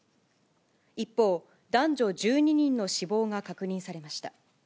一方、男女１２人の死亡が確認されました。